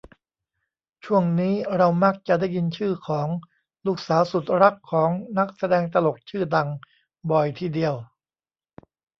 ช่วงนี้เรามักจะได้ยินชื่อของ ลูกสาวสุดรักของ นักแสดงตลกชื่อดัง บ่อยทีเดียว